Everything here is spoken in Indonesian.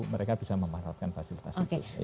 mereka bisa memanfaatkan fasilitas itu